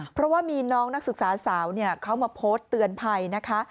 เพราะว่ามีน้องนักศึกษาสาวเขามาโพสต์เตือนภัยนะคะ